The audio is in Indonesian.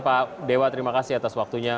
pak dewa terima kasih atas waktunya